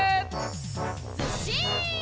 ずっしん！